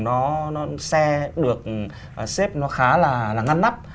nó xe được xếp nó khá là ngăn nắp